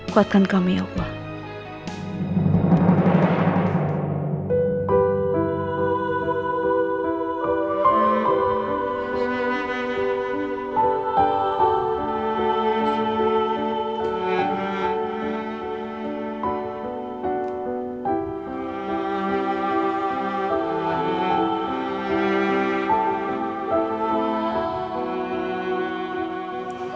kuatkan kami ya allah